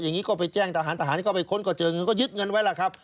อย่างนี้ก็ไปแจ้งทหารทหารก็ไปค้นก็เจอเงินก็ยึดเงินไว้ล่ะครับ